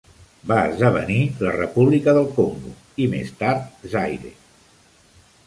Va esdevenir la República del Congo i, més tard, Zaire.